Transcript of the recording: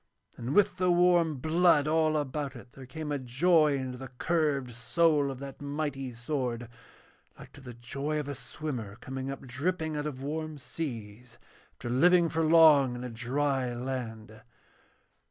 And with the warm blood all about it there came a joy into the curved soul of that mighty sword, like to the joy of a swimmer coming up dripping out of warm seas after living for long in a dry land.